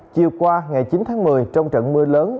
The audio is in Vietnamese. chiều qua ngày chín tháng một mươi trong trận mưa lớn